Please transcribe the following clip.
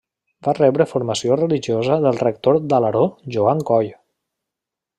Va rebre formació religiosa del rector d'Alaró Joan Coll.